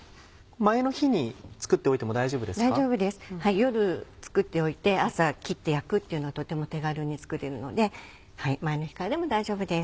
夜作っておいて朝切って焼くっていうのはとても手軽に作れるので前の日からでも大丈夫です。